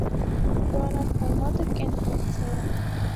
Խորանարդ արմատը կենտ ֆունկցիա է։